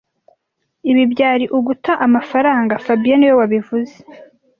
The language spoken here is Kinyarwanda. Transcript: Ibi byari uguta amafaranga fabien niwe wabivuze